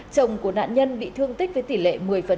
chồng của nạn nhân bị thương tích với tỷ lệ một mươi